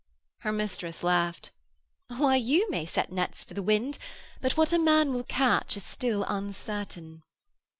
Her mistress laughed: 'Why, you may set nets for the wind, but what a man will catch is still uncertain.'